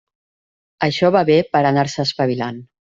Això va bé per anar-se espavilant.